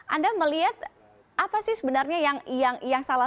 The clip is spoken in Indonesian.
anda melihat apa sih sebenarnya yang salah